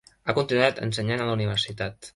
Ha continuat ensenyant a la universitat.